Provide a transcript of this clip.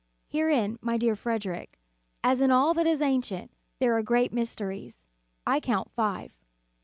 Herein, my dear Frederic, as in all that is ancient, there are great mysteries. I count five.